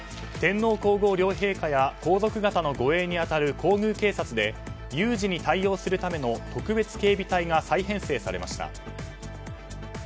天皇・皇后両陛下や皇族方の護衛に当たる皇宮警察で有事に対応するための特別警備隊が再編成されました。